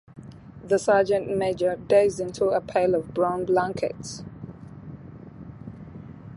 The Sergeant-Major dives into a pile of brown blankets.